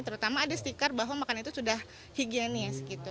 terutama ada stiker bahwa makanan itu sudah higienis gitu